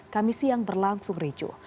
kami siang berlangsung recuh